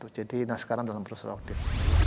nah sekarang dalam proses audit